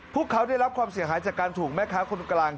พวกเขาได้รับความเสียหายจากการถูกแม่ค้าคนกลาง